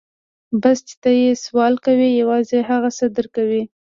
بس چې ته يې سوال کوې يوازې هغه څه در کوي.